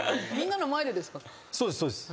そうですそうです。